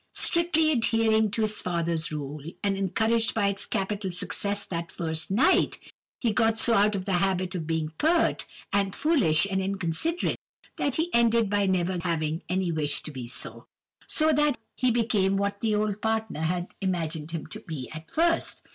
Strictly adhering to his father's rule, and encouraged by its capital success that first night, he got so out of the habit of being pert, and foolish, and inconsiderate, that he ended by never having any wish to be so; so that he really became what the old partner had imagined him to be at first.